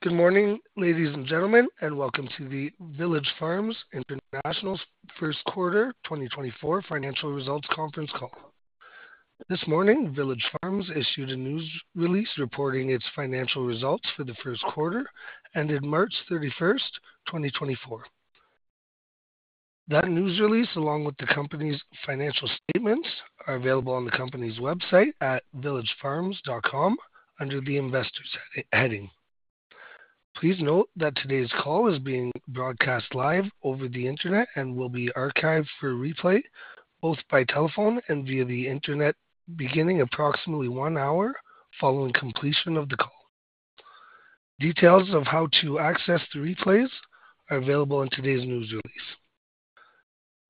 Good morning, ladies and gentlemen, and welcome to the Village Farms International First Quarter 2024 Financial Results Conference Call. This morning, Village Farms issued a news release reporting its financial results for the first quarter, ended March 31st, 2024. That news release, along with the company's financial statements, are available on the company's website at villagefarms.com under the Investors heading. Please note that today's call is being broadcast live over the Internet and will be archived for replay, both by telephone and via the Internet, beginning approximately one hour following completion of the call. Details of how to access the replays are available in today's news release.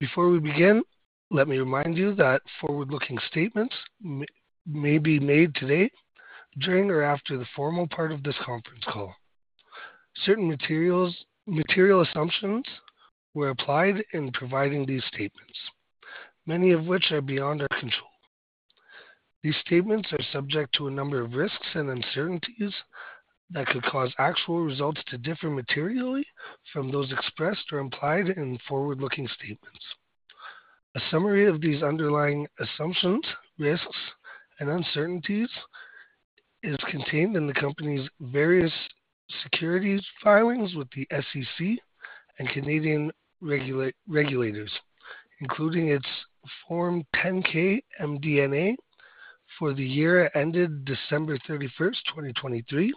Before we begin, let me remind you that forward-looking statements may, may be made today during or after the formal part of this conference call. Certain material assumptions were applied in providing these statements, many of which are beyond our control. These statements are subject to a number of risks and uncertainties that could cause actual results to differ materially from those expressed or implied in forward-looking statements. A summary of these underlying assumptions, risks, and uncertainties is contained in the company's various securities filings with the SEC and Canadian regulators, including its Form 10-K MD&A for the year ended December 31st, 2023,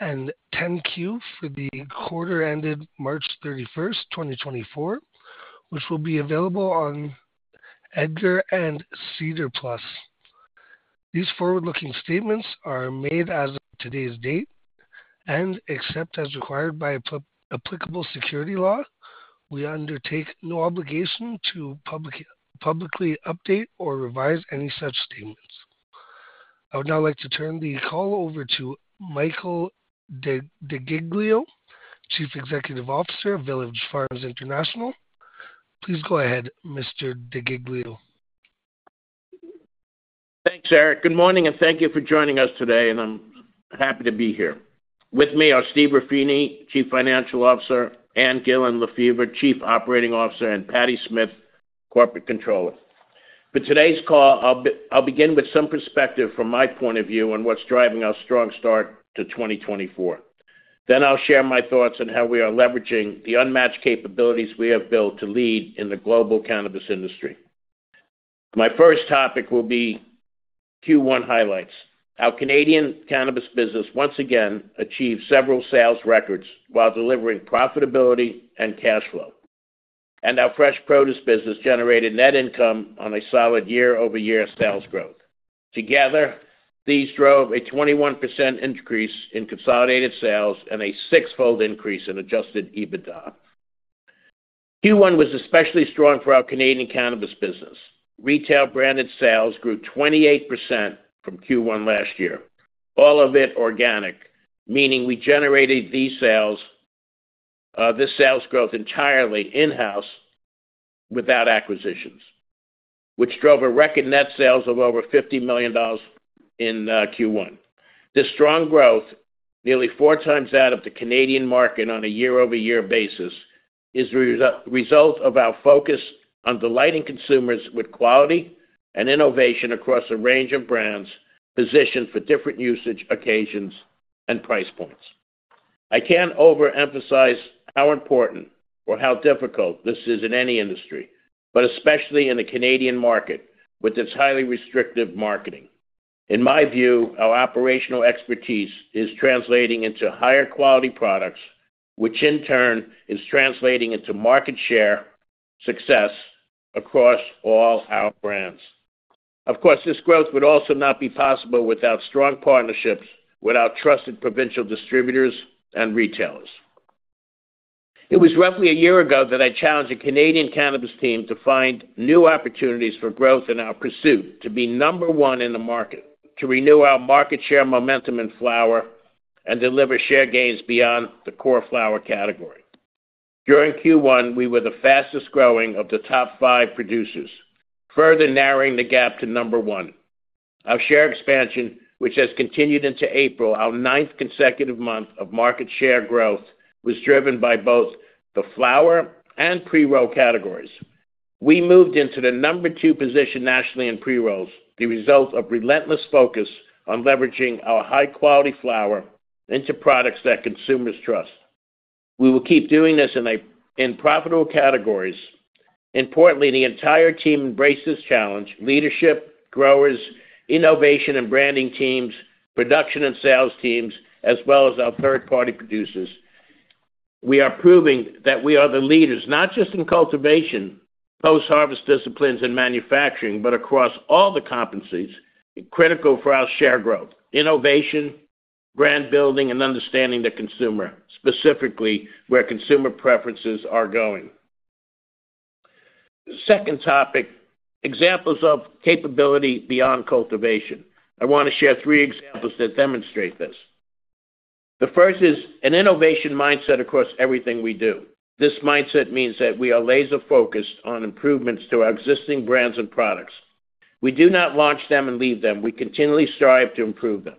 and Form 10-Q for the quarter ended March 31st, 2024, which will be available on EDGAR and SEDAR+. These forward-looking statements are made as of today's date, and except as required by applicable securities law, we undertake no obligation to publicly update or revise any such statements. I would now like to turn the call over to Michael DeGiglio, Chief Executive Officer of Village Farms International. Please go ahead, Mr. DeGiglio. Thanks, Eric. Good morning, and thank you for joining us today, and I'm happy to be here. With me are Steve Ruffini, Chief Financial Officer, Ann Gillin Lefever, Chief Operating Officer, and Patti Smith, Corporate Controller. For today's call, I'll begin with some perspective from my point of view on what's driving our strong start to 2024. Then I'll share my thoughts on how we are leveraging the unmatched capabilities we have built to lead in the global cannabis industry. My first topic will be Q1 highlights. Our Canadian cannabis business once again achieved several sales records while delivering profitability and cash flow. Our fresh produce business generated net income on a solid year-over-year sales growth. Together, these drove a 21% increase in consolidated sales and a six-fold increase in adjusted EBITDA. Q1 was especially strong for our Canadian cannabis business. Retail branded sales grew 28% from Q1 last year, all of it organic, meaning we generated these sales, this sales growth entirely in-house without acquisitions, which drove a record net sales of over $50 million in Q1. This strong growth, nearly four times out of the Canadian market on a year-over-year basis, is the result of our focus on delighting consumers with quality and innovation across a range of brands positioned for different usage occasions and price points. I can't overemphasize how important or how difficult this is in any industry, but especially in the Canadian market, with its highly restrictive marketing. In my view, our operational expertise is translating into higher quality products, which in turn is translating into market share success across all our brands. Of course, this growth would also not be possible without strong partnerships with our trusted provincial distributors and retailers. It was roughly a year ago that I challenged the Canadian cannabis team to find new opportunities for growth in our pursuit to be number one in the market, to renew our market share momentum in flower, and deliver share gains beyond the core flower category. During Q1, we were the fastest growing of the top five producers, further narrowing the gap to number one. Our share expansion, which has continued into April, our ninth consecutive month of market share growth, was driven by both the flower and pre-roll categories. We moved into the number two position nationally in pre-rolls, the result of relentless focus on leveraging our high-quality flower into products that consumers trust. We will keep doing this in profitable categories. Importantly, the entire team embraced this challenge, leadership, growers, innovation and branding teams, production and sales teams, as well as our third-party producers. We are proving that we are the leaders, not just in cultivation, post-harvest disciplines and manufacturing, but across all the competencies critical for our share growth, innovation, brand building, and understanding the consumer, specifically where consumer preferences are going. Second topic, examples of capability beyond cultivation. I want to share three examples that demonstrate this. The first is an innovation mindset across everything we do. This mindset means that we are laser-focused on improvements to our existing brands and products. We do not launch them and leave them. We continually strive to improve them.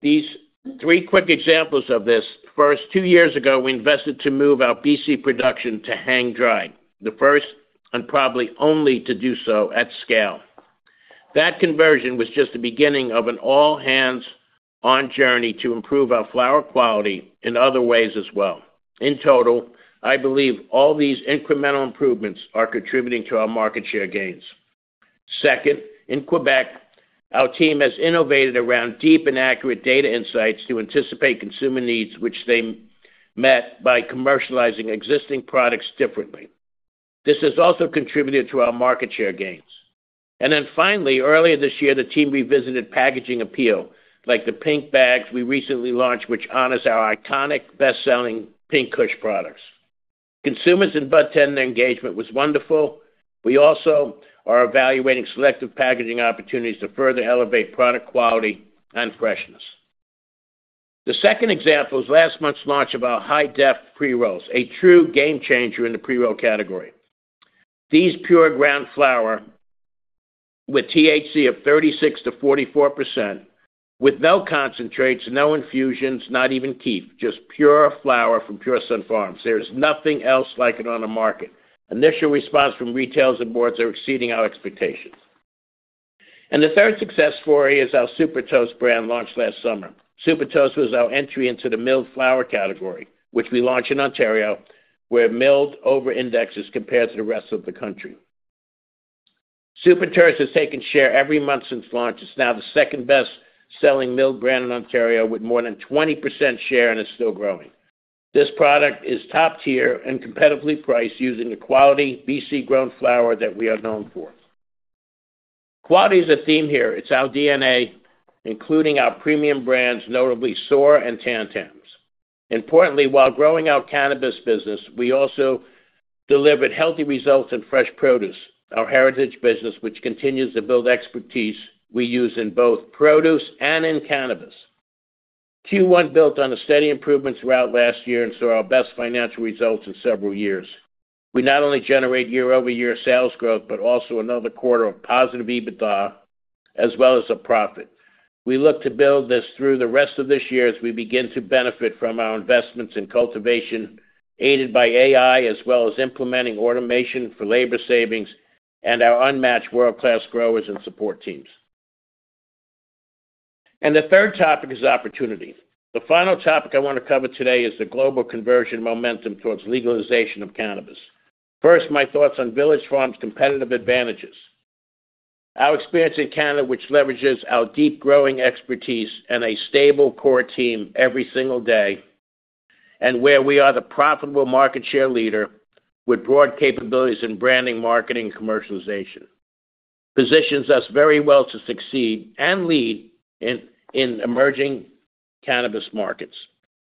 These three quick examples of this: First, two years ago, we invested to move our BC production to hang dry, the first and probably only to do so at scale. That conversion was just the beginning of an all-hands-on journey to improve our flower quality in other ways as well. In total, I believe all these incremental improvements are contributing to our market share gains. Second, in Quebec, our team has innovated around deep and accurate data insights to anticipate consumer needs, which they met by commercializing existing products differently. This has also contributed to our market share gains. Finally, earlier this year, the team revisited packaging appeal, like the pink bags we recently launched, which honors our iconic best-selling Pink Kush products. Consumers and budtender engagement was wonderful. We also are evaluating selective packaging opportunities to further elevate product quality and freshness. The second example is last month's launch of our Hi-Def pre-rolls, a true game changer in the pre-roll category. These pure ground flower with THC of 36%-44%, with no concentrates, no infusions, not even kief, just pure flower from Pure Sunfarms. There is nothing else like it on the market. Initial response from retailers and boards are exceeding our expectations. The third success story is our Super Toast brand launched last summer. Super Toast was our entry into the milled flower category, which we launched in Ontario, where milled over-indexes compared to the rest of the country. Super Toast has taken share every month since launch. It's now the second-best-selling milled brand in Ontario, with more than 20% share and is still growing. This product is top tier and competitively priced, using the quality BC-grown flower that we are known for. Quality is a theme here. It's our DNA, including our premium brands, notably Soar and Tam Tams. Importantly, while growing our cannabis business, we also delivered healthy results in fresh produce, our heritage business, which continues to build expertise we use in both produce and in cannabis. Q1 built on a steady improvement throughout last year and saw our best financial results in several years. We not only generate year-over-year sales growth, but also another quarter of positive EBITDA as well as a profit. We look to build this through the rest of this year as we begin to benefit from our investments in cultivation, aided by AI, as well as implementing automation for labor savings and our unmatched world-class growers and support teams. The third topic is opportunity. The final topic I want to cover today is the global conversion momentum towards legalization of cannabis. First, my thoughts on Village Farms' competitive advantages. Our experience in Canada, which leverages our deep growing expertise and a stable core team every single day, and where we are the profitable market share leader with broad capabilities in branding, marketing, and commercialization, positions us very well to succeed and lead in emerging cannabis markets.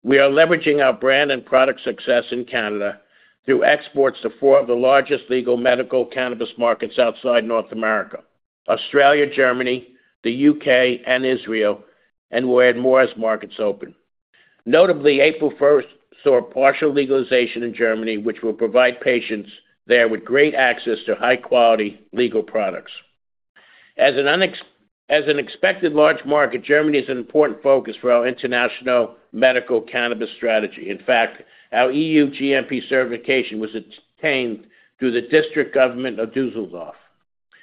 We are leveraging our brand and product success in Canada through exports to four of the largest legal medical cannabis markets outside North America: Australia, Germany, the U.K., and Israel, and we'll add more as markets open. Notably, April 1st saw partial legalization in Germany, which will provide patients there with great access to high-quality legal products. As an expected large market, Germany is an important focus for our international medical cannabis strategy. In fact, our EU GMP certification was obtained through the District Government of Düsseldorf.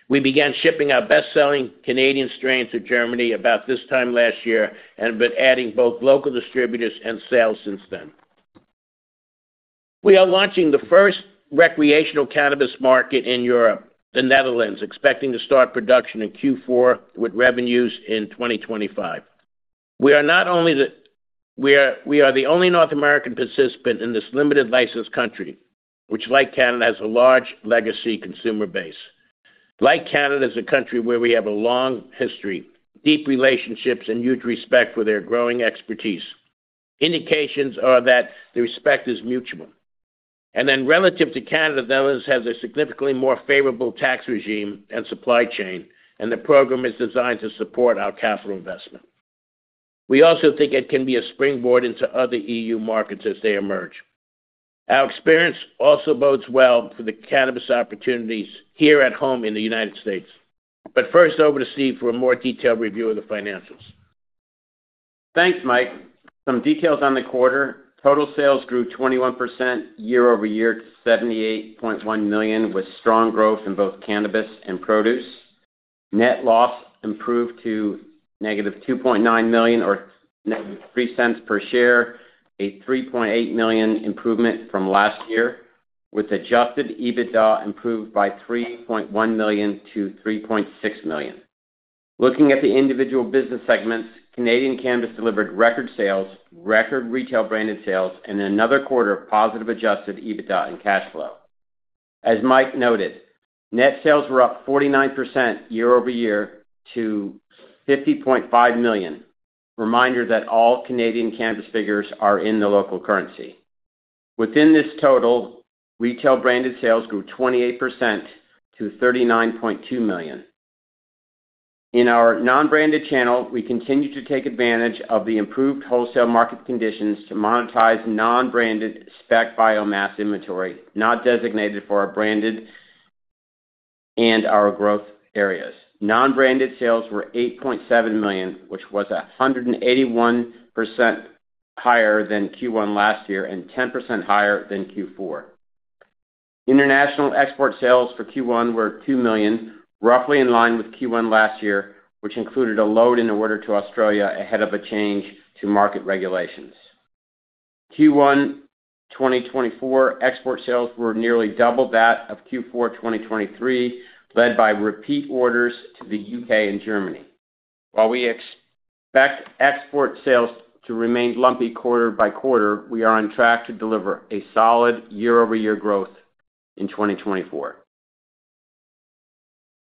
We began shipping our best-selling Canadian strains to Germany about this time last year and have been adding both local distributors and sales since then. We are launching the first recreational cannabis market in Europe, the Netherlands, expecting to start production in Q4 with revenues in 2025. We are not only the only North American participant in this limited license country, which, like Canada, has a large legacy consumer base. Like Canada, it's a country where we have a long history, deep relationships, and huge respect for their growing expertise. Indications are that the respect is mutual. And then relative to Canada, the Netherlands has a significantly more favorable tax regime and supply chain, and the program is designed to support our capital investment. We also think it can be a springboard into other EU markets as they emerge. Our experience also bodes well for the cannabis opportunities here at home in the United States. But first, over to Steve for a more detailed review of the financials. Thanks, Mike. Some details on the quarter. Total sales grew 21% year-over-year to $78.1 million, with strong growth in both cannabis and produce. Net loss improved to -$2.9 million or -$0.03 per share, a $3.8 million improvement from last year, with adjusted EBITDA improved by $3.1 million to $3.6 million. Looking at the individual business segments, Canadian cannabis delivered record sales, record retail-branded sales, and another quarter of positive adjusted EBITDA and cash flow. As Mike noted, net sales were up 49% year-over-year to 50.5 million. Reminder that all Canadian cannabis figures are in the local currency. Within this total, retail-branded sales grew 28% to 39.2 million. In our non-branded channel, we continued to take advantage of the improved wholesale market conditions to monetize non-branded spec biomass inventory, not designated for our branded and our growth areas. Non-branded sales were $8.7 million, which was 181% higher than Q1 last year and 10% higher than Q4. International export sales for Q1 were 2 million, roughly in line with Q1 last year, which included a load-in order to Australia ahead of a change to market regulations. Q1 2024 export sales were nearly double that of Q4 2023, led by repeat orders to the U.K. and Germany. While we expect export sales to remain lumpy quarter by quarter, we are on track to deliver a solid year-over-year growth in 2024.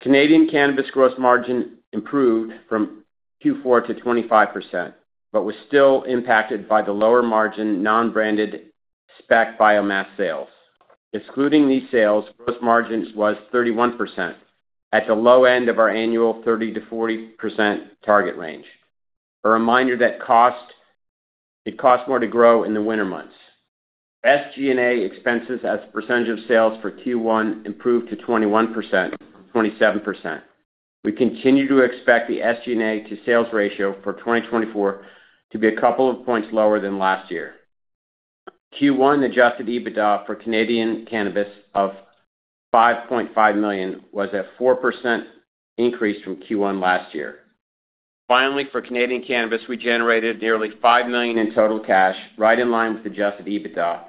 Canadian cannabis gross margin improved from Q4 to 25%, but was still impacted by the lower margin non-branded spec biomass sales. Excluding these sales, gross margins was 31%, at the low end of our annual 30%-40% target range. A reminder that it costs more to grow in the winter months. SG&A expenses as a percentage of sales for Q1 improved to 21% from 27%. We continue to expect the SG&A to sales ratio for 2024 to be a couple of points lower than last year. Q1 adjusted EBITDA for Canadian cannabis of 5.5 million was a 4% increase from Q1 last year. Finally, for Canadian cannabis, we generated nearly 5 million in total cash, right in line with adjusted EBITDA,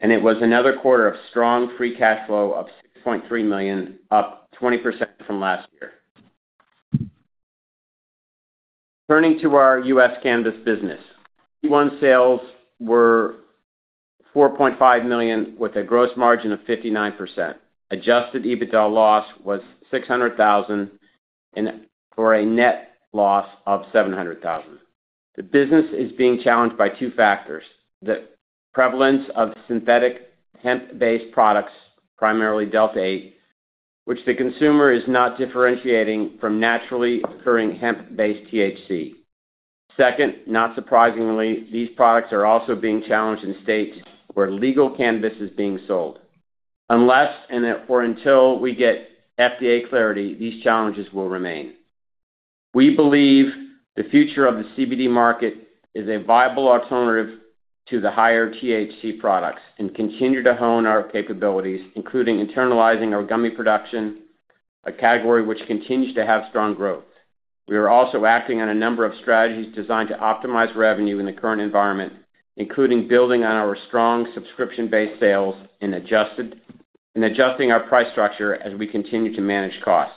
and it was another quarter of strong free cash flow of 6.3 million, up 20% from last year. Turning to our U.S. cannabis business. Q1 sales were $4.5 million, with a gross margin of 59%. Adjusted EBITDA loss was $600,000, and for a net loss of $700,000. The business is being challenged by two factors: the prevalence of synthetic hemp-based products, primarily Delta-8, which the consumer is not differentiating from naturally occurring hemp-based THC. Second, not surprisingly, these products are also being challenged in states where legal cannabis is being sold. Unless and therefore until we get FDA clarity, these challenges will remain. We believe the future of the CBD market is a viable alternative to the higher THC products and continue to hone our capabilities, including internalizing our gummy production, a category which continues to have strong growth. We are also acting on a number of strategies designed to optimize revenue in the current environment, including building on our strong subscription-based sales, and adjusting our price structure as we continue to manage costs.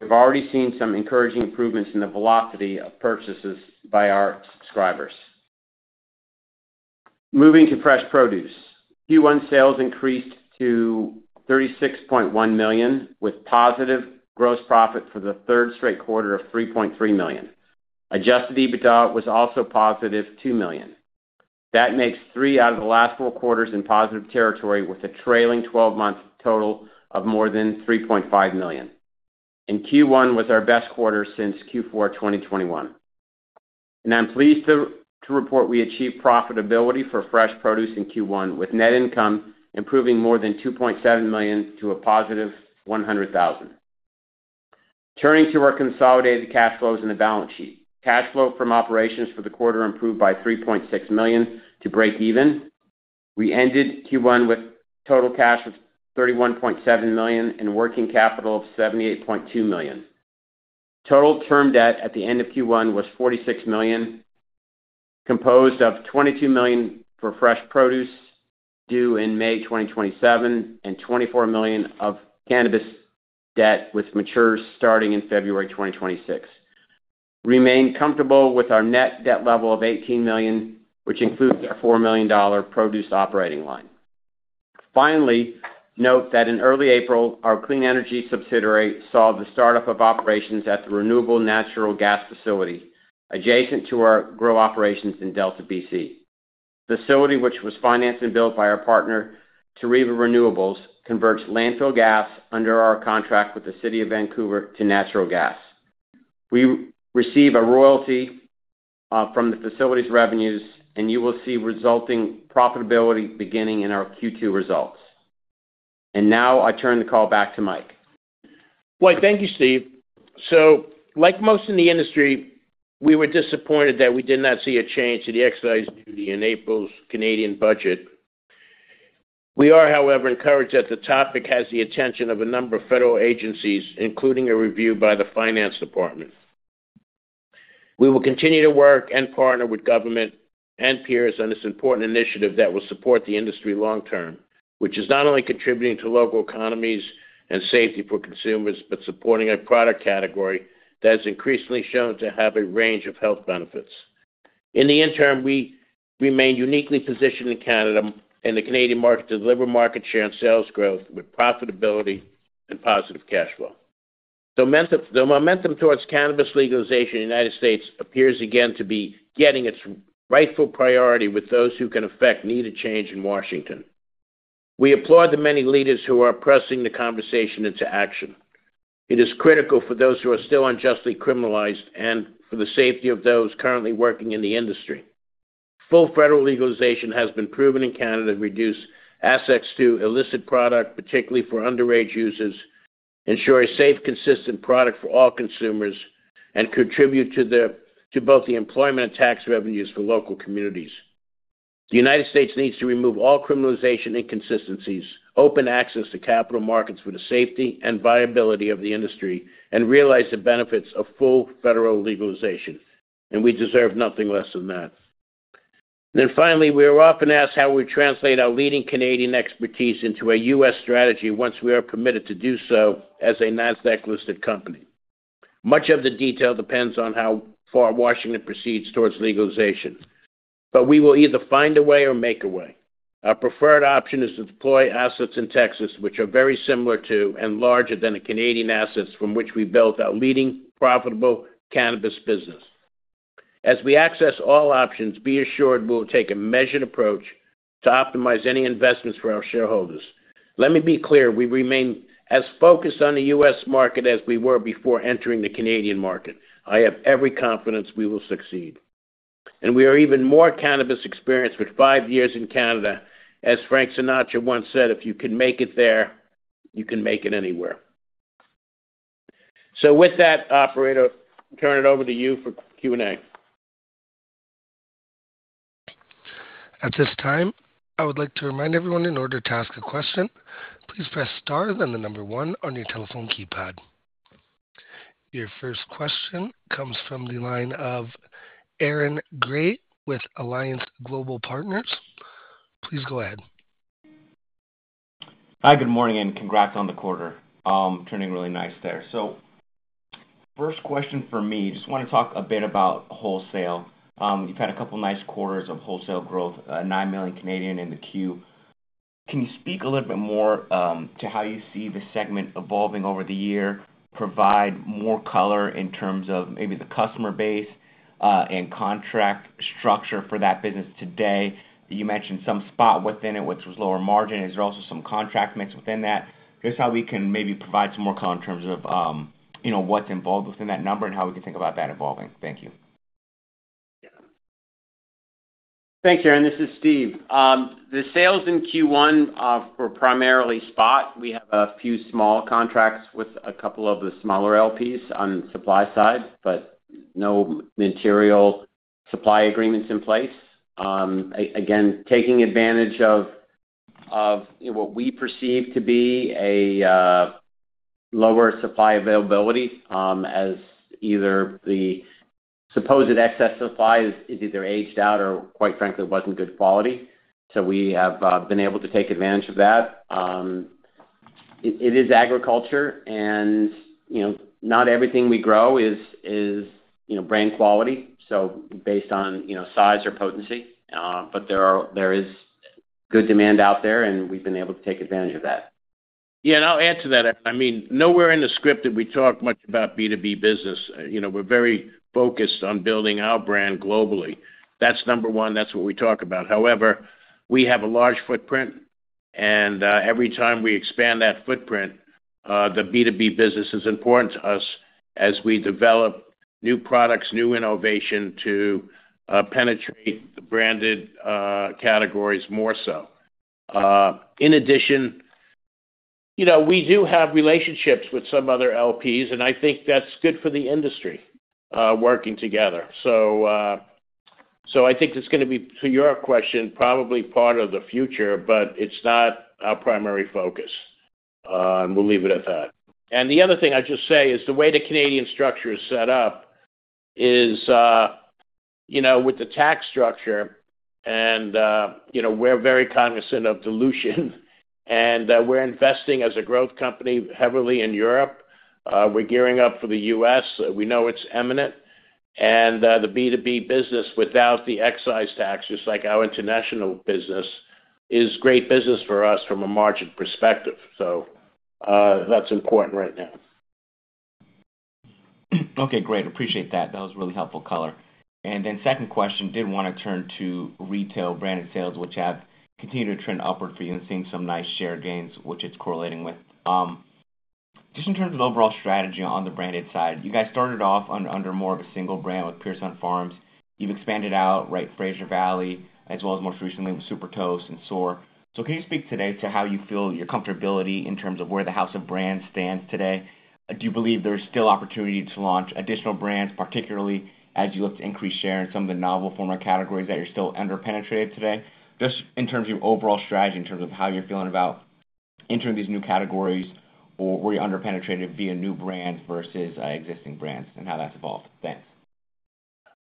We've already seen some encouraging improvements in the velocity of purchases by our subscribers. Moving to fresh produce. Q1 sales increased to $36.1 million, with positive gross profit for the third straight quarter of $3.3 million. Adjusted EBITDA was also positive, $2 million. That makes three out of the last four quarters in positive territory, with a trailing 12-month total of more than $3.5 million. Q1 was our best quarter since Q4 2021. I'm pleased to report we achieved profitability for fresh produce in Q1, with net income improving more than $2.7 million to a positive $100,000. Turning to our consolidated cash flows and the balance sheet. Cash flow from operations for the quarter improved by $3.6 million to break even. We ended Q1 with total cash of $31.7 million and working capital of $78.2 million. Total term debt at the end of Q1 was $46 million, composed of $22 million for fresh produce due in May 2027, and $24 million of cannabis debt, which matures starting in February 2026. Remain comfortable with our net debt level of $18 million, which includes our $4 million produce operating line. Finally, note that in early April, our clean energy subsidiary saw the startup of operations at the renewable natural gas facility adjacent to our grow operations in Delta, B.C. The facility, which was financed and built by our partner, Terreva Renewables, converts landfill gas under our contract with the City of Vancouver to natural gas. We receive a royalty from the facility's revenues, and you will see resulting profitability beginning in our Q2 results. And now I turn the call back to Mike. Why, thank you, Steve. So like most in the industry, we were disappointed that we did not see a change to the excise duty in April's Canadian budget. We are, however, encouraged that the topic has the attention of a number of federal agencies, including a review by the Finance Department. We will continue to work and partner with government and peers on this important initiative that will support the industry long term, which is not only contributing to local economies and safety for consumers, but supporting a product category that has increasingly shown to have a range of health benefits. In the interim, we remain uniquely positioned in Canada and the Canadian market to deliver market share and sales growth with profitability and positive cash flow. The momentum towards cannabis legalization in the United States appears again to be getting its rightful priority with those who can effect needed change in Washington. We applaud the many leaders who are pressing the conversation into action. It is critical for those who are still unjustly criminalized and for the safety of those currently working in the industry. Full federal legalization has been proven in Canada to reduce access to illicit product, particularly for underage users, ensure a safe, consistent product for all consumers, and contribute to both the employment and tax revenues for local communities. The United States needs to remove all criminalization inconsistencies, open access to capital markets for the safety and viability of the industry, and realize the benefits of full federal legalization, and we deserve nothing less than that. Then finally, we are often asked how we translate our leading Canadian expertise into a U.S. strategy once we are permitted to do so as a Nasdaq-listed company. Much of the detail depends on how far Washington proceeds towards legalization, but we will either find a way or make a way. Our preferred option is to deploy assets in Texas, which are very similar to and larger than the Canadian assets from which we built our leading profitable cannabis business. As we access all options, be assured we'll take a measured approach to optimize any investments for our shareholders. Let me be clear, we remain as focused on the U.S. market as we were before entering the Canadian market. I have every confidence we will succeed, and we are even more cannabis experienced with five years in Canada. As Frank Sinatra once said, "If you can make it there, you can make it anywhere." So with that, operator, turn it over to you for Q&A. At this time, I would like to remind everyone, in order to ask a question, please press star, then the number one on your telephone keypad. Your first question comes from the line of Aaron Grey with Alliance Global Partners. Please go ahead. Hi, good morning, and congrats on the quarter. Turning really nice there. So first question for me, just want to talk a bit about wholesale. You've had a couple of nice quarters of wholesale growth, 9 million in the Q. Can you speak a little bit more to how you see the segment evolving over the year, provide more color in terms of maybe the customer base and contract structure for that business today? You mentioned some spot within it, which was lower margin. Is there also some contract mix within that? Just how we can maybe provide some more color in terms of, you know, what's involved within that number and how we can think about that evolving. Thank you. Thanks, Aaron. This is Steve. The sales in Q1 were primarily spot. We have a few small contracts with a couple of the smaller LPs on the supply side, but no material supply agreements in place. Again, taking advantage of what we perceive to be a lower supply availability, as either the supposed excess supply is either aged out or quite frankly, it wasn't good quality. So we have been able to take advantage of that. It is agriculture and, you know, not everything we grow is, you know, brand quality, so based on, you know, size or potency, but there is good demand out there, and we've been able to take advantage of that. Yeah, I'll add to that. I mean, nowhere in the script did we talk much about B2B business. You know, we're very focused on building our brand globally. That's number one, that's what we talk about. However, we have a large footprint, and every time we expand that footprint, the B2B business is important to us as we develop new products, new innovation to penetrate the branded categories more so. In addition, you know, we do have relationships with some other LPs, and I think that's good for the industry, working together. So, I think it's gonna be, to your question, probably part of the future, but it's not our primary focus, and we'll leave it at that. The other thing I'd just say is the way the Canadian structure is set up is, you know, with the tax structure and, you know, we're very cognizant of dilution, and, we're investing as a growth company heavily in Europe. We're gearing up for the U.S. We know it's imminent, and, the B2B business without the excise tax, just like our international business, is great business for us from a margin perspective. That's important right now. Okay, great. Appreciate that. That was really helpful color. And then second question, did want to turn to retail branded sales, which have continued to trend upward for you and seeing some nice share gains, which it's correlating with. Just in terms of overall strategy on the branded side, you guys started off under more of a single brand with Pure Sunfarms. You've expanded out, right, Fraser Valley, as well as more recently with Super Toast and Soar. So can you speak today to how you feel your comfortability in terms of where the house of brands stands today? Do you believe there is still opportunity to launch additional brands, particularly as you look to increase share in some of the novel former categories that you're still under-penetrated today? Just in terms of your overall strategy, in terms of how you're feeling about entering these new categories, or where you're under-penetrated via new brands versus, existing brands and how that's evolved. Thanks.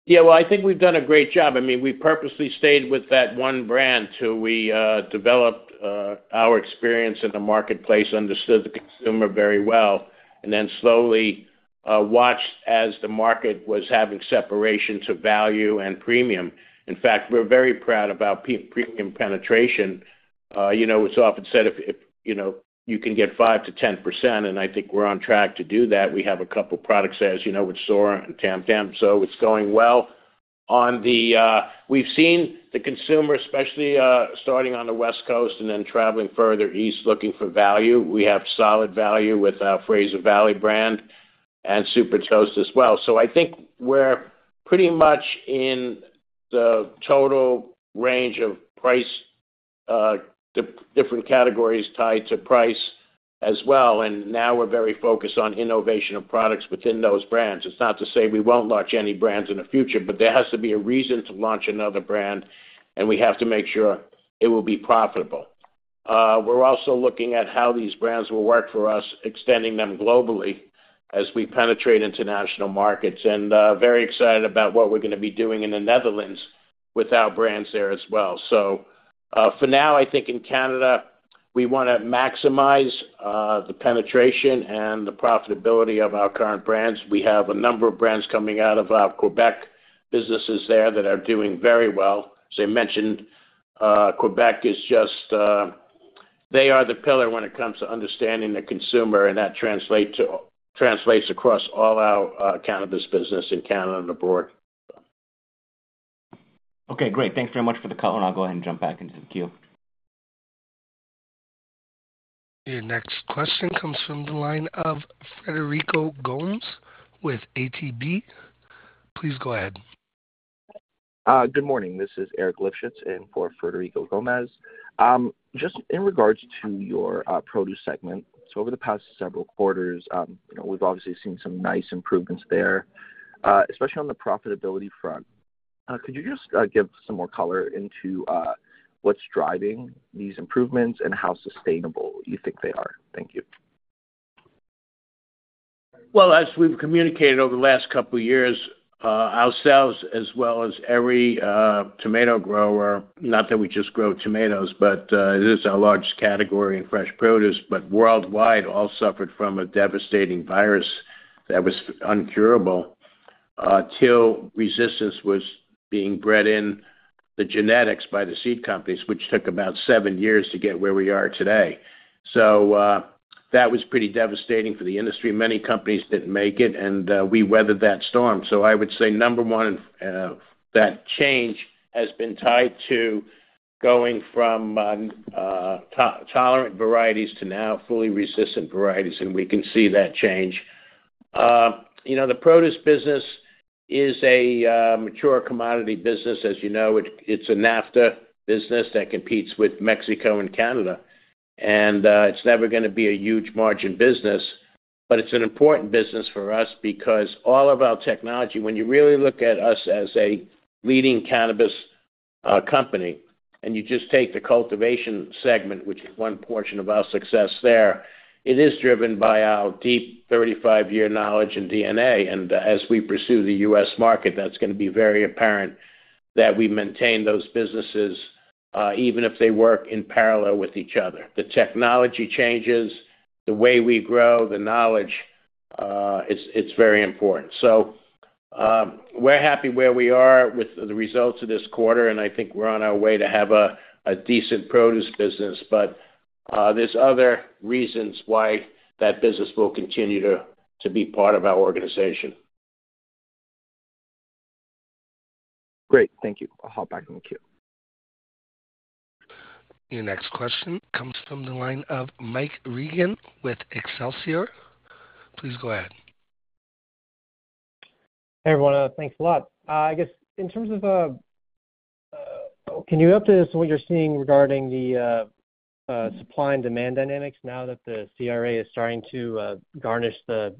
Yeah, well, I think we've done a great job. I mean, we purposely stayed with that one brand till we developed our experience in the marketplace, understood the consumer very well, and then slowly watched as the market was having separation to value and premium. In fact, we're very proud about premium penetration. You know, it's often said, if you know, you can get 5%-10%, and I think we're on track to do that, we have a couple products, as you know, with Soar and Tam Tam, so it's going well. On the, we've seen the consumer, especially starting on the West Coast and then traveling further east, looking for value. We have solid value with our Fraser Valley brand and Super Toast as well. So I think we're pretty much in the total range of price, different categories tied to price as well, and now we're very focused on innovation of products within those brands. It's not to say we won't launch any brands in the future, but there has to be a reason to launch another brand, and we have to make sure it will be profitable. We're also looking at how these brands will work for us, extending them globally as we penetrate international markets, and very excited about what we're gonna be doing in the Netherlands with our brands there as well. So, for now, I think in Canada, we wanna maximize the penetration and the profitability of our current brands. We have a number of brands coming out of our Quebec businesses there that are doing very well. As I mentioned, Quebec is just, they are the pillar when it comes to understanding the consumer, and that translates across all our, cannabis business in Canada and abroad. Okay, great. Thanks very much for the call, and I'll go ahead and jump back into the queue. Your next question comes from the line of Federico Gomes with ATB. Please go ahead. Good morning. This is Eric Livshits in for Federico Gomes. Just in regards to your produce segment. So over the past several quarters, you know, we've obviously seen some nice improvements there, especially on the profitability front. Could you just give some more color into what's driving these improvements and how sustainable you think they are? Thank you. Well, as we've communicated over the last couple of years, ourselves, as well as every, tomato grower, not that we just grow tomatoes, but, it is our largest category in fresh produce, but worldwide, all suffered from a devastating virus that was uncurable, till resistance was being bred in the genetics by the seed companies, which took about seven years to get where we are today. So, that was pretty devastating for the industry. Many companies didn't make it, and, we weathered that storm. So I would say, number one, that change has been tied to going from, tolerant varieties to now fully resistant varieties, and we can see that change. You know, the produce business is a, mature commodity business. As you know, it's a NAFTA business that competes with Mexico and Canada. It's never gonna be a huge margin business, but it's an important business for us because all of our technology, when you really look at us as a leading cannabis company, and you just take the cultivation segment, which is one portion of our success there, it is driven by our deep 35-year knowledge and DNA. And as we pursue the U.S. market, that's gonna be very apparent that we maintain those businesses, even if they work in parallel with each other. The technology changes, the way we grow, the knowledge, it's very important. So, we're happy where we are with the results of this quarter, and I think we're on our way to have a decent produce business, but, there's other reasons why that business will continue to be part of our organization. Great, thank you. I'll hop back in the queue. Your next question comes from the line of Mike Regan with Excelsior. Please go ahead. Hey, everyone, thanks a lot. I guess, in terms of, can you update us on what you're seeing regarding the supply and demand dynamics now that the CRA is starting to garnish the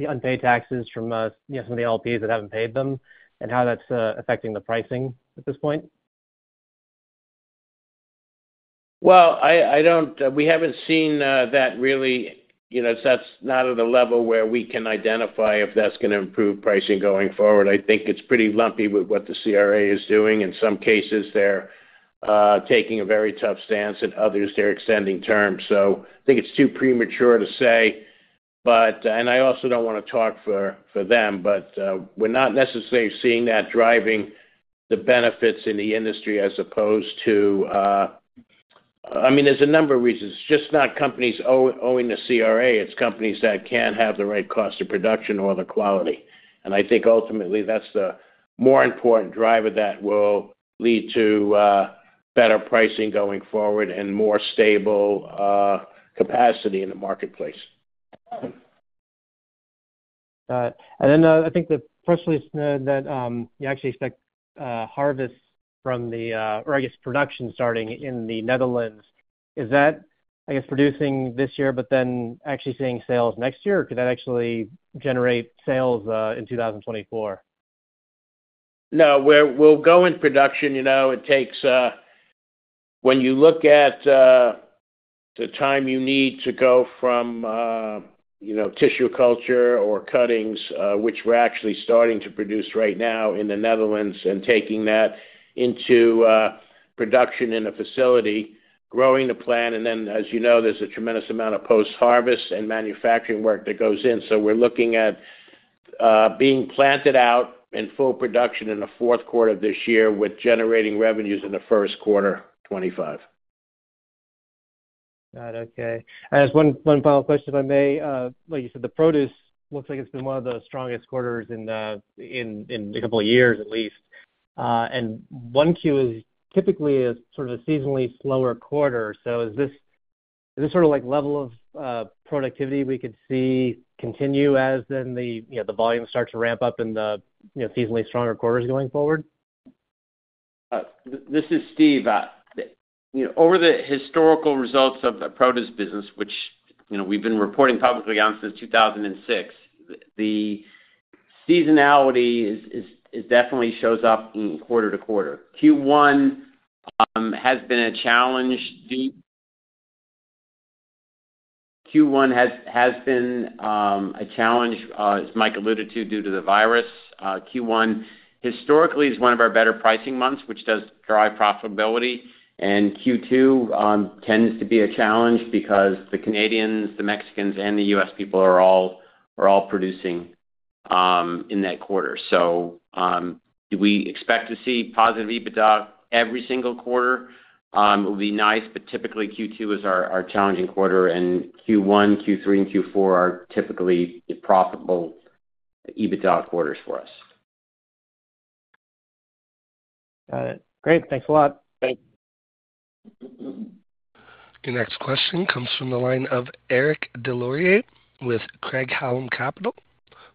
unpaid taxes from, you know, some of the LPs that haven't paid them, and how that's affecting the pricing at this point? Well, I don't. We haven't seen that really. You know, that's not at a level where we can identify if that's gonna improve pricing going forward. I think it's pretty lumpy with what the CRA is doing. In some cases, they're taking a very tough stance, and others, they're extending terms. So I think it's too premature to say, but and I also don't wanna talk for them, but we're not necessarily seeing that driving the benefits in the industry as opposed to. I mean, there's a number of reasons. It's just not companies owing the CRA, it's companies that can't have the right cost of production or the quality. And I think ultimately, that's the more important driver that will lead to better pricing going forward and more stable capacity in the marketplace. Got it. And then, I think the press release that, you actually expect, harvest from the, or I guess, production starting in the Netherlands, is that, I guess, producing this year, but then actually seeing sales next year, or could that actually generate sales, in 2024? No, we'll go in production, you know, it takes. When you look at the time you need to go from, you know, tissue culture or cuttings, which we're actually starting to produce right now in the Netherlands, and taking that into production in a facility, growing the plant, and then, as you know, there's a tremendous amount of post-harvest and manufacturing work that goes in. So we're looking at being planted out in full production in the fourth quarter of this year, with generating revenues in the first quarter 2025. Got it. Okay. I just one, one final question, if I may. Like you said, the produce looks like it's been one of the strongest quarters in a couple of years, at least. And 1Q is typically a sort of a seasonally slower quarter. So is this sort of like level of productivity we could see continue as then the, you know, the volumes start to ramp up in the, you know, seasonally stronger quarters going forward? This is Steve. You know, over the historical results of the produce business, which, you know, we've been reporting publicly on since 2006, the seasonality is, it definitely shows up quarter to quarter. Q1 has been a challenge. Q1 has been a challenge, as Mike alluded to, due to the virus. Q1 historically is one of our better pricing months, which does drive profitability, and Q2 tends to be a challenge because the Canadians, the Mexicans, and the U.S. people are all producing in that quarter. So, do we expect to see positive EBITDA every single quarter? It would be nice, but typically, Q2 is our challenging quarter, and Q1, Q3, and Q4 are typically profitable EBITDA quarters for us. Got it. Great. Thanks a lot. Thanks. Your next question comes from the line of Eric Des Lauriers with Craig-Hallum Capital.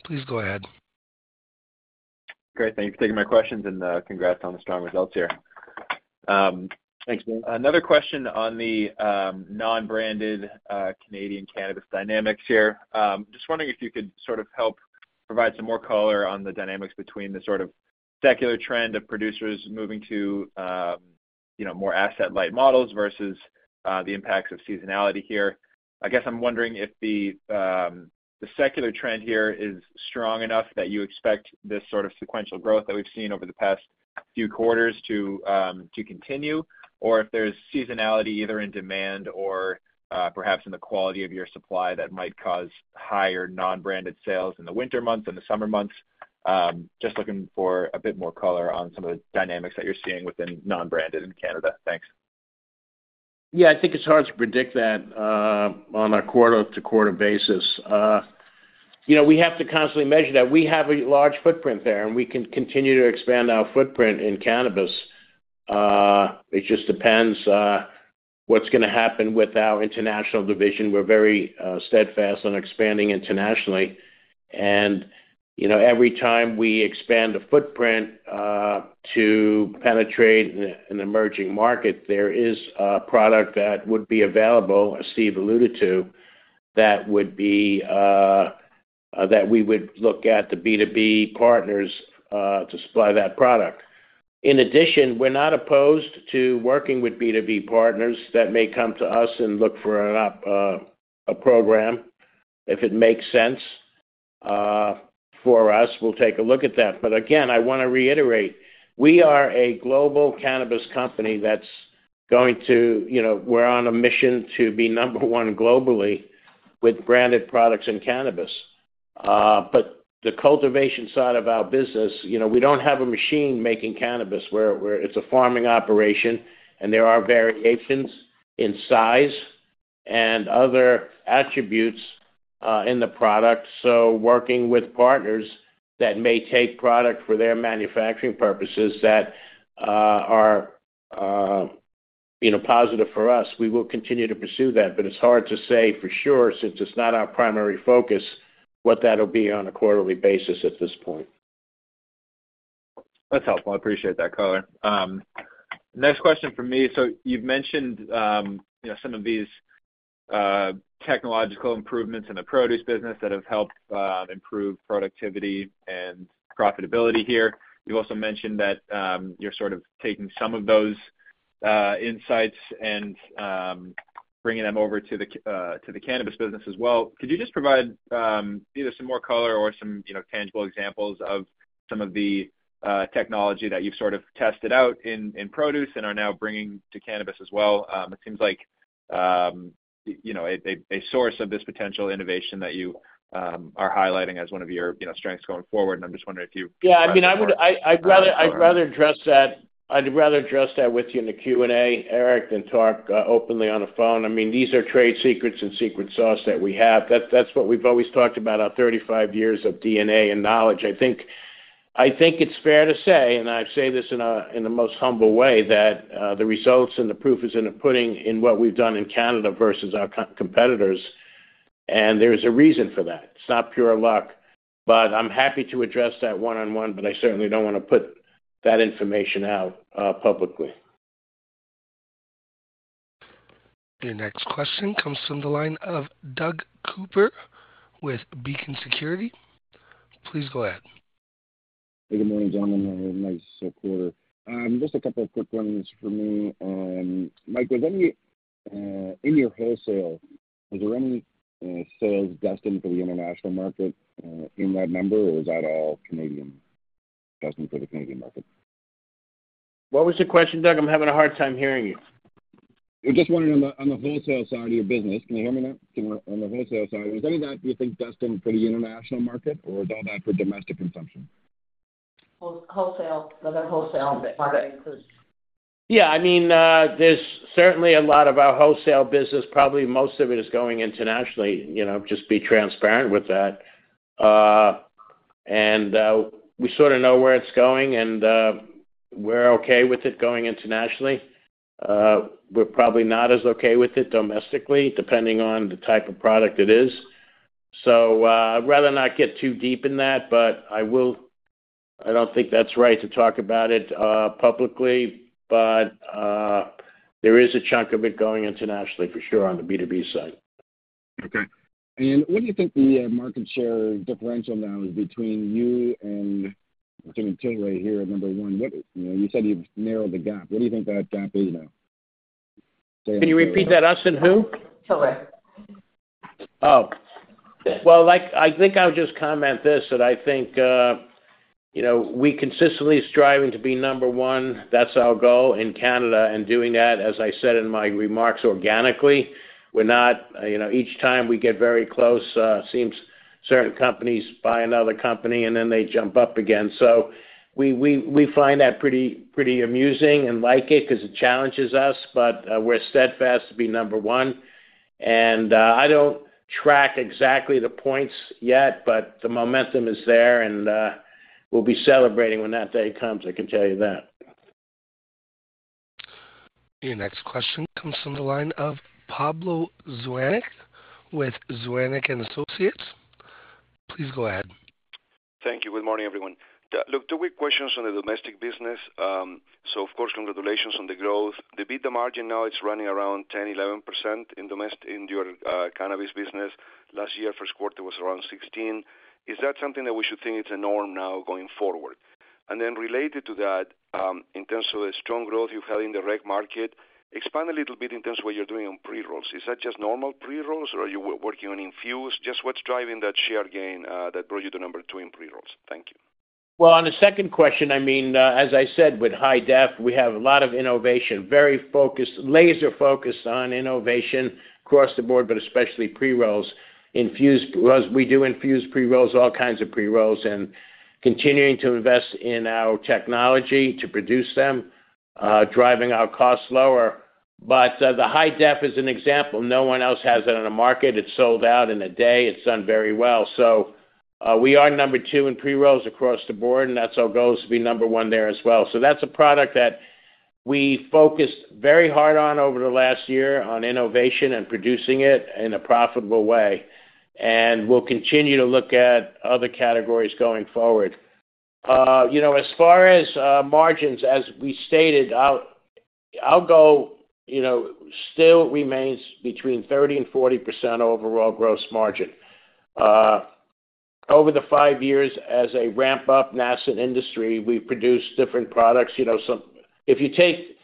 Please go ahead. Great, thank you for taking my questions, and, congrats on the strong results here. Thanks, man. Another question on the non-branded Canadian cannabis dynamics here. Just wondering if you could sort of help provide some more color on the dynamics between the sort of secular trend of producers moving to, you know, more asset-light models versus the impacts of seasonality here. I guess I'm wondering if the secular trend here is strong enough that you expect this sort of sequential growth that we've seen over the past few quarters to continue, or if there's seasonality either in demand or perhaps in the quality of your supply that might cause higher non-branded sales in the winter months and the summer months. Just looking for a bit more color on some of the dynamics that you're seeing within non-branded in Canada. Thanks. Yeah, I think it's hard to predict that on a quarter-to-quarter basis. You know, we have to constantly measure that. We have a large footprint there, and we can continue to expand our footprint in cannabis. It just depends what's gonna happen with our international division. We're very steadfast on expanding internationally. And, you know, every time we expand a footprint to penetrate an emerging market, there is a product that would be available, as Steve alluded to, that would be that we would look at the B2B partners to supply that product. In addition, we're not opposed to working with B2B partners that may come to us and look for a program. If it makes sense for us, we'll take a look at that. But again, I wanna reiterate, we are a global cannabis company that's going to, you know, we're on a mission to be number one globally with branded products in cannabis. But the cultivation side of our business, you know, we don't have a machine making cannabis, where it's a farming operation, and there are variations in size and other attributes in the product. So working with partners that may take product for their manufacturing purposes that are, you know, positive for us, we will continue to pursue that. But it's hard to say for sure, since it's not our primary focus, what that'll be on a quarterly basis at this point. That's helpful. I appreciate that color. Next question from me. So you've mentioned, you know, some of these technological improvements in the produce business that have helped improve productivity and profitability here. You've also mentioned that you're sort of taking some of those insights and bringing them over to the cannabis business as well. Could you just provide either some more color or some, you know, tangible examples of some of the technology that you've sort of tested out in produce and are now bringing to cannabis as well? It seems like, you know, a source of this potential innovation that you are highlighting as one of your, you know, strengths going forward, and I'm just wondering if you. Yeah, I mean, I'd rather address that with you in the Q&A, Eric, than talk openly on the phone. I mean, these are trade secrets and secret sauce that we have. That's what we've always talked about, our 35 years of DNA and knowledge. I think it's fair to say, and I say this in the most humble way, that the results and the proof is in the pudding in what we've done in Canada versus our competitors, and there's a reason for that. It's not pure luck, but I'm happy to address that one-on-one, but I certainly don't wanna put that information out publicly. Your next question comes from the line of Doug Cooper with Beacon Securities. Please go ahead. Good morning, gentlemen. Nice quarter. Just a couple of quick ones for me. Mike, in your wholesale, was there any sales destined for the international market in that number, or was that all Canadian, destined for the Canadian market? What was your question, Doug? I'm having a hard time hearing you. I just wondering on the, on the wholesale side of your business. Can you hear me now? On the wholesale side, was any of that, do you think, destined for the international market, or was all that for domestic consumption? Wholesale, the wholesale market? Yeah, I mean, there's certainly a lot of our wholesale business. Probably most of it is going internationally, you know, just be transparent with that. And, we sort of know where it's going, and, we're okay with it going internationally. We're probably not as okay with it domestically, depending on the type of product it is. So, I'd rather not get too deep in that, but I will. I don't think that's right to talk about it publicly. But, there is a chunk of it going internationally for sure, on the B2B side. Okay. And what do you think the market share differential now is between you and Tilray here at number one? You know, you said you've narrowed the gap. What do you think that gap is now? Can you repeat that, us and who? Tilray. Oh, well, like, I think I'll just comment this, that I think, you know, we consistently striving to be number one. That's our goal in Canada, and doing that, as I said in my remarks, organically, we're not, you know, each time we get very close, seems certain companies buy another company, and then they jump up again. So we, we, we find that pretty, pretty amusing and like it 'cause it challenges us, but, we're steadfast to be number one. And, I don't track exactly the points yet, but the momentum is there, and, we'll be celebrating when that day comes, I can tell you that. Your next question comes from the line of Pablo Zuanic with Zuanic & Associates. Please go ahead. Thank you. Good morning, everyone. Look, two quick questions on the domestic business. So of course, congratulations on the growth. The EBITDA margin now is running around 10%-11% in domestic in your cannabis business. Last year, first quarter, it was around 16%. Is that something that we should think it's a norm now going forward? And then related to that, in terms of the strong growth you've had in the rec market, expand a little bit in terms of what you're doing on pre-rolls. Is that just normal pre-rolls, or are you working on infused? Just what's driving that share gain that brought you to number two in pre-rolls? Thank you. Well, on the second question, I mean, as I said, with Hi-Def, we have a lot of innovation, very focused, laser-focused on innovation across the board, but especially pre-rolls. Infused, because we do infused pre-rolls, all kinds of pre-rolls, and continuing to invest in our technology to produce them, driving our costs lower. But the Hi-Def is an example. No one else has it on the market. It's sold out in a day. It's done very well. So, we are number two in pre-rolls across the board, and that's our goal, is to be number one there as well. So that's a product that we focused very hard on over the last year on innovation and producing it in a profitable way, and we'll continue to look at other categories going forward. You know, as far as margins, as we stated, our goal still remains between 30%-40% overall gross margin. Over the five years as a ramp up nascent industry, we've produced different products, you know. So if you take,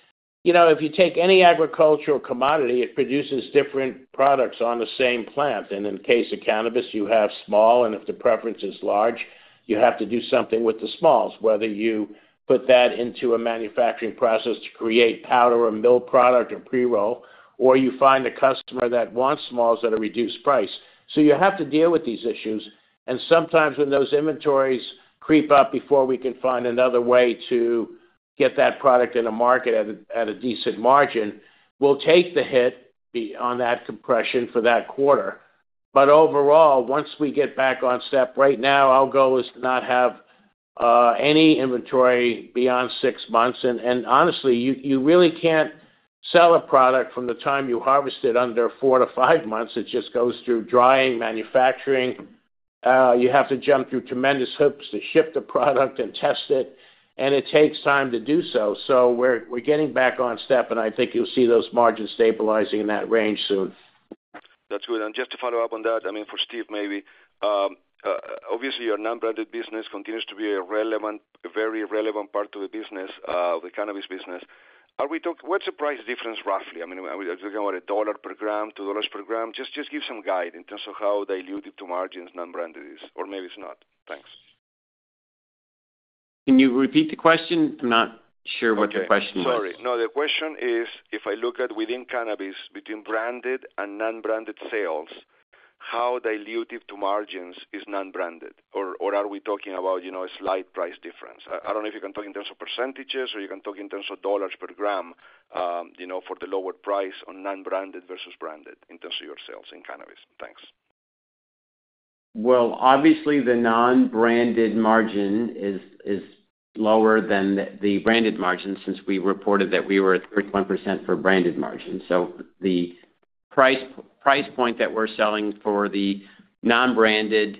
you know, if you take any agricultural commodity, it produces different products on the same plant. And in the case of cannabis, you have smalls, and if the preference is large, you have to do something with the smalls, whether you put that into a manufacturing process to create powder, or mill product, or pre-roll, or you find a customer that wants smalls at a reduced price. So you have to deal with these issues, and sometimes when those inventories creep up before we can find another way to get that product in the market at a decent margin, we'll take the hit on that compression for that quarter. But overall, once we get back on step, right now, our goal is to not have any inventory beyond six months. And honestly, you really can't sell a product from the time you harvest it under four to five months. It just goes through drying, manufacturing, you have to jump through tremendous hoops to ship the product and test it, and it takes time to do so. So we're getting back on step, and I think you'll see those margins stabilizing in that range soon. That's good. And just to follow up on that, I mean, for Steve, maybe, obviously, your non-branded business continues to be a relevant, a very relevant part of the business, the cannabis business. What's the price difference, roughly? I mean, are we talking about $1 per gram, $2 per gram? Just, just give some guide in terms of how diluted to margins non-branded is, or maybe it's not. Thanks. Can you repeat the question? I'm not sure what the question was. Okay, sorry. No, the question is, if I look at within cannabis, between branded and non-branded sales, how dilutive to margins is non-branded? Or are we talking about, you know, a slight price difference? I don't know if you can talk in terms of percentages, or you can talk in terms of dollars per gram, you know, for the lower price on non-branded versus branded in terms of your sales in cannabis. Thanks. Well, obviously the non-branded margin is lower than the branded margin, since we reported that we were at 31% for branded margin. So the price point that we're selling for the non-branded,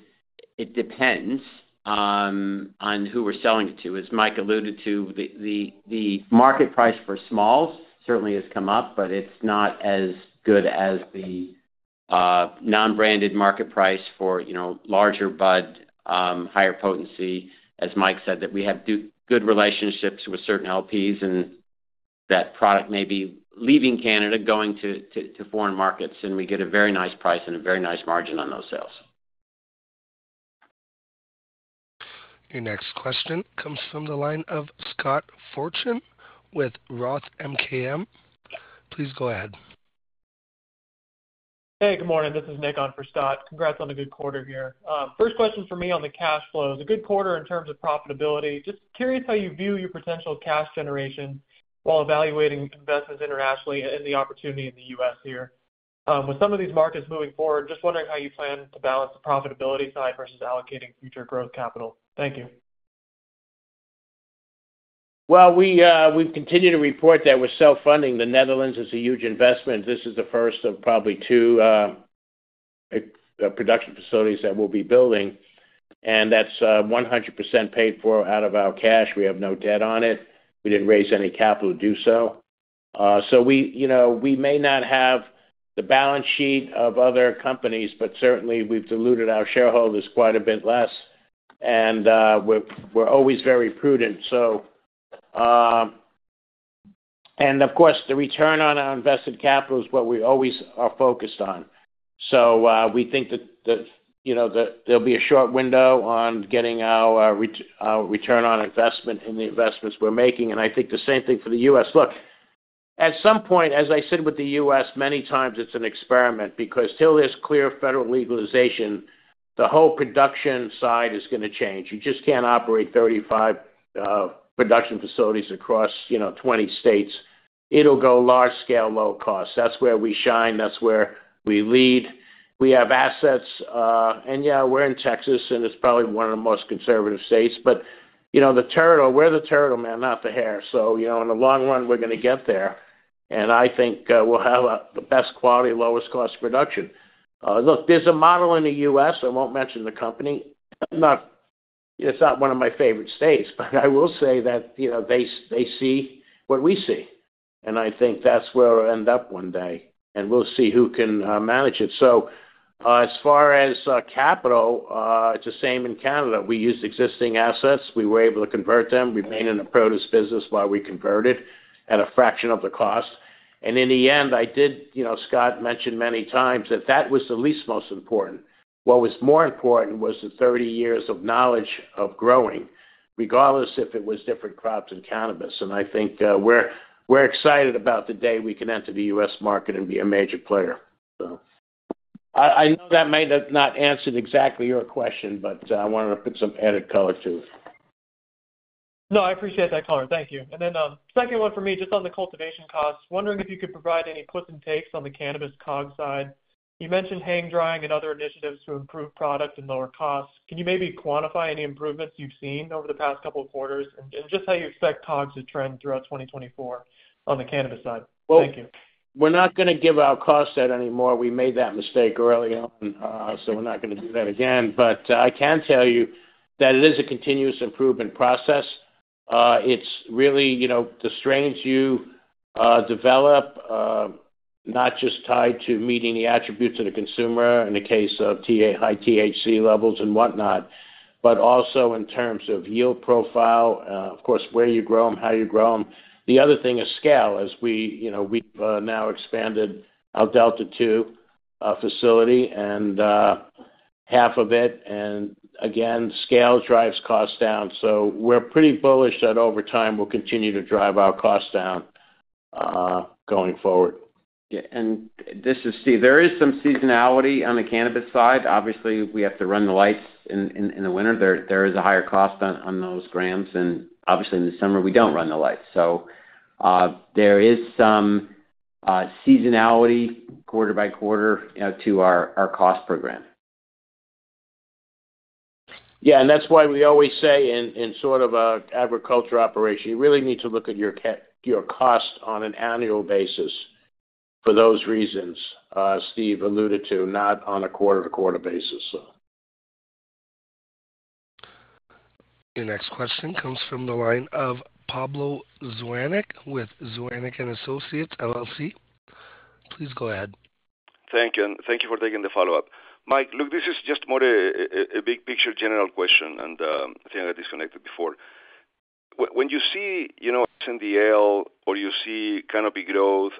it depends on who we're selling it to. As Mike alluded to, the market price for smalls certainly has come up, but it's not as good as the non-branded market price for, you know, larger bud, higher potency. As Mike said, that we have good relationships with certain LPs, and that product may be leaving Canada, going to foreign markets, and we get a very nice price and a very nice margin on those sales. Your next question comes from the line of Scott Fortune with Roth MKM. Please go ahead. Hey, good morning. This is Nick on for Scott. Congrats on a good quarter here. First question for me on the cash flow. It's a good quarter in terms of profitability. Just curious how you view your potential cash generation while evaluating investments internationally and the opportunity in the U.S. here. With some of these markets moving forward, just wondering how you plan to balance the profitability side versus allocating future growth capital. Thank you. Well, we continue to report that we're self-funding. The Netherlands is a huge investment. This is the first of probably two production facilities that we'll be building, and that's 100% paid for out of our cash. We have no debt on it. We didn't raise any capital to do so. So we, you know, we may not have the balance sheet of other companies, but certainly we've diluted our shareholders quite a bit less, and we're always very prudent. So. And of course, the return on our invested capital is what we always are focused on. So we think that you know, that there'll be a short window on getting our return on investment in the investments we're making, and I think the same thing for the U.S. Look, at some point, as I said, with the U.S., many times it's an experiment, because till there's clear federal legalization, the whole production side is gonna change. You just can't operate 35 production facilities across, you know, 20 states. It'll go large scale, low cost. That's where we shine, that's where we lead. We have assets, and, yeah, we're in Texas, and it's probably one of the most conservative states, but, you know, the turtle, we're the turtle, man, not the hare. So, you know, in the long run, we're gonna get there, and I think we'll have the best quality, lowest cost production. Look, there's a model in the U.S., I won't mention the company. It's not one of my favorite states, but I will say that, you know, they see what we see, and I think that's where we'll end up one day, and we'll see who can manage it. So, as far as capital, it's the same in Canada. We used existing assets. We were able to convert them, remain in the produce business while we converted at a fraction of the cost. And in the end, I did, you know, Scott mentioned many times that that was the least most important. What was more important was the 30 years of knowledge of growing, regardless if it was different crops than cannabis. And I think we're excited about the day we can enter the U.S. market and be a major player. So I know that may not have answered exactly your question, but I wanted to put some added color to it. No, I appreciate that color. Thank you. And then, second one for me, just on the cultivation costs. Wondering if you could provide any puts and takes on the cannabis COGS side. You mentioned hang drying and other initiatives to improve product and lower costs. Can you maybe quantify any improvements you've seen over the past couple of quarters? And just how you expect COGS to trend throughout 2024 on the cannabis side. Thank you. Well, we're not gonna give our cost out anymore. We made that mistake early on, so we're not gonna do that again. But I can tell you that it is a continuous improvement process. It's really, you know, the strains you develop, not just tied to meeting the attributes of the consumer in the case of TA, high THC levels and whatnot, but also in terms of yield profile, of course, where you grow them, how you grow them. The other thing is scale. As we, you know, we've now expanded our Delta 2 facility and half of it, and again, scale drives costs down. So we're pretty bullish that over time, we'll continue to drive our costs down, going forward. Yeah, and this is Steve. There is some seasonality on the cannabis side. Obviously, we have to run the lights in the winter. There is a higher cost on those grams, and obviously, in the summer, we don't run the lights. So, there is some seasonality quarter by quarter to our cost per gram. Yeah, and that's why we always say in sort of an agriculture operation, you really need to look at your cost on an annual basis for those reasons Steve alluded to, not on a quarter-to-quarter basis, so. Your next question comes from the line of Pablo Zuanic with Zuanic & Associates, LLC. Please go ahead. Thank you, and thank you for taking the follow-up. Mike, look, this is just more a big-picture general question, and I think I disconnected before. When you see, you know, Tilray or you see Canopy Growth,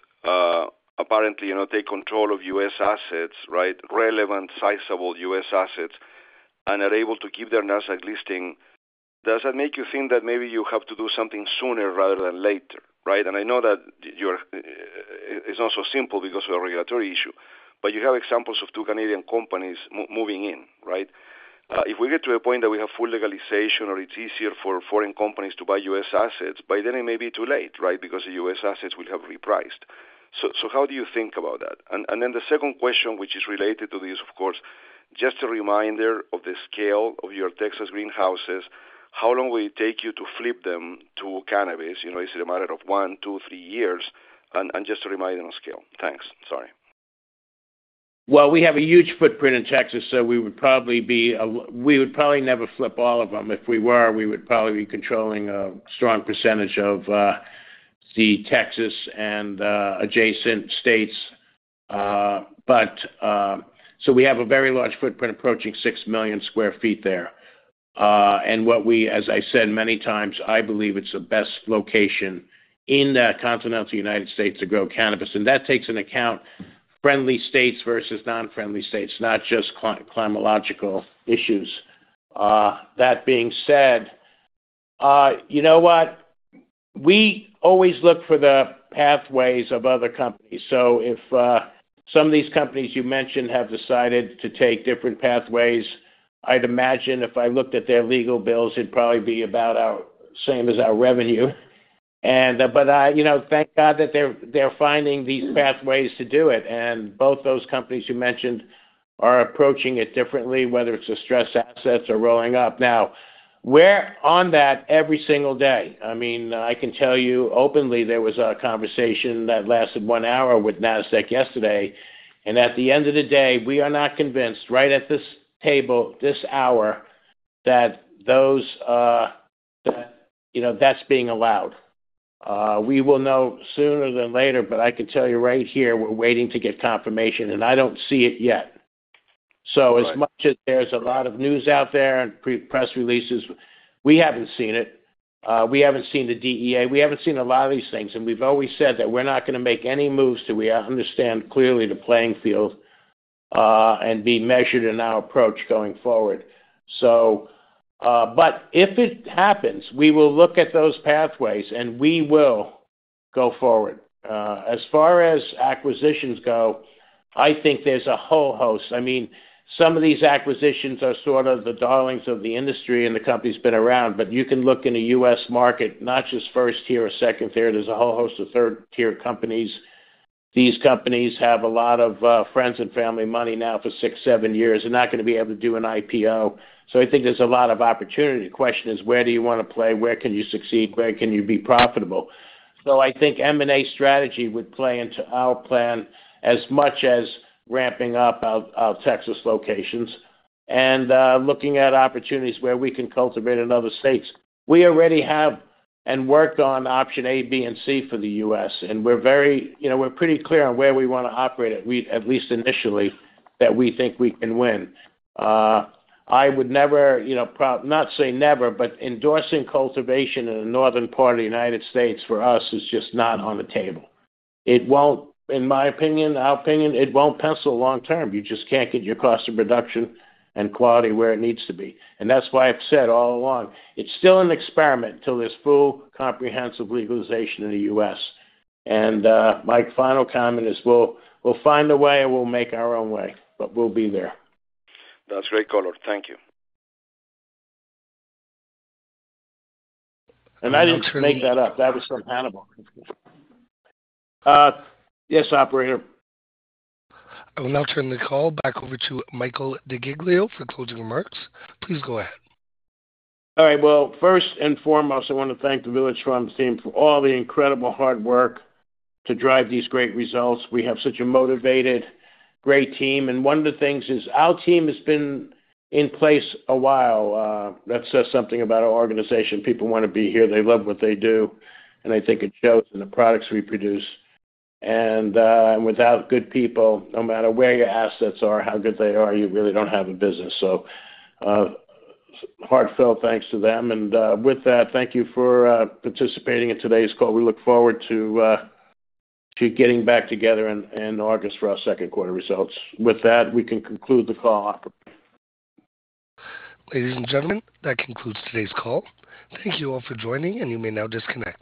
apparently, you know, take control of U.S. assets, right? Relevant, sizable U.S. assets, and are able to keep their Nasdaq listing, does that make you think that maybe you have to do something sooner rather than later, right? And I know that your, it's not so simple because of a regulatory issue, but you have examples of two Canadian companies moving in, right? If we get to a point that we have full legalization, or it's easier for foreign companies to buy U.S. assets, by then it may be too late, right? Because the U.S. assets will have repriced. So how do you think about that? And then the second question, which is related to this, of course, just a reminder of the scale of your Texas greenhouses, how long will it take you to flip them to cannabis? You know, is it a matter of one, two, three years? And just a reminder on scale. Thanks. Sorry. Well, we have a huge footprint in Texas, so we would probably be. We would probably never flip all of them. If we were, we would probably be controlling a strong percentage of the Texas and adjacent states. But, so we have a very large footprint, approaching 6 million sq ft there. And what we, as I said many times, I believe it's the best location in the continental United States to grow cannabis, and that takes into account friendly states versus non-friendly states, not just climatological issues. That being said. You know what? We always look for the pathways of other companies. So if some of these companies you mentioned have decided to take different pathways, I'd imagine if I looked at their legal bills, it'd probably be about the same as our revenue. But I, you know, thank God that they're, they're finding these pathways to do it, and both those companies you mentioned are approaching it differently, whether it's distressed assets or rolling up. Now, we're on that every single day. I mean, I can tell you openly, there was a conversation that lasted 1 hour with Nasdaq yesterday, and at the end of the day, we are not convinced, right at this table, this hour, that those, that, you know, that's being allowed. We will know sooner than later, but I can tell you right here, we're waiting to get confirmation, and I don't see it yet. So as much as there's a lot of news out there and press releases, we haven't seen it. We haven't seen the DEA, we haven't seen a lot of these things, and we've always said that we're not gonna make any moves till we understand clearly the playing field, and be measured in our approach going forward. So, but if it happens, we will look at those pathways and we will go forward. As far as acquisitions go, I think there's a whole host. I mean, some of these acquisitions are sort of the darlings of the industry, and the company's been around, but you can look in the U.S. market, not just first tier or second tier, there's a whole host of third-tier companies. These companies have a lot of, friends and family money now for six, seven years. They're not gonna be able to do an IPO, so I think there's a lot of opportunity. The question is, where do you wanna play? Where can you succeed? Where can you be profitable? So I think M&A strategy would play into our plan as much as ramping up our Texas locations and looking at opportunities where we can cultivate in other states. We already have and worked on option A, B, and C for the U.S., and we're very. You know, we're pretty clear on where we wanna operate, at least initially, that we think we can win. I would never, you know, not say never, but endorsing cultivation in the northern part of the United States, for us, is just not on the table. It won't, in my opinion, our opinion, it won't pencil long term. You just can't get your cost of production and quality where it needs to be. And that's why I've said all along, it's still an experiment till there's full, comprehensive legalization in the U.S. And, my final comment is, we'll find a way, and we'll make our own way, but we'll be there. That's great color. Thank you. I didn't make that up. That was from Hannibal. Yes, operator? I will now turn the call back over to Michael DeGiglio for closing remarks. Please go ahead. All right. Well, first and foremost, I want to thank the Village Farms team for all the incredible hard work to drive these great results. We have such a motivated, great team, and one of the things is our team has been in place a while. That says something about our organization. People wanna be here, they love what they do, and I think it shows in the products we produce. And without good people, no matter where your assets are, how good they are, you really don't have a business. So heartfelt thanks to them. And with that, thank you for participating in today's call. We look forward to getting back together in August for our second quarter results. With that, we can conclude the call. Ladies and gentlemen, that concludes today's call. Thank you all for joining, and you may now disconnect.